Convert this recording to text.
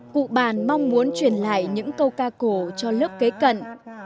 cụ bàn mong muốn truyền lại những câu ca cổ cho lớp kế cận